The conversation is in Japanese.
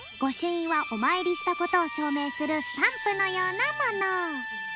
いんはおまいりしたことをしょうめいするスタンプのようなもの。